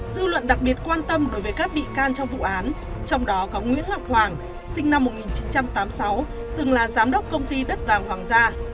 dư luận đặc biệt quan tâm đối với các bị can trong vụ án trong đó có nguyễn ngọc hoàng sinh năm một nghìn chín trăm tám mươi sáu từng là giám đốc công ty đất vàng hoàng gia